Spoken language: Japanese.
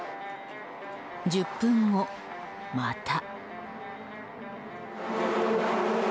１０分後、また。